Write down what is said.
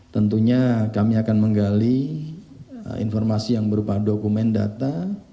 tentunya kami akan menggali informasi yang berupa dokumen data